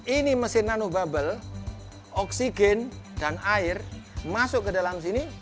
ini mesin anobable oksigen dan air masuk ke dalam sini